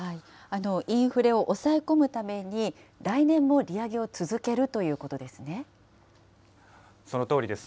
インフレを抑え込むために、来年も利上げを続けるということそのとおりです。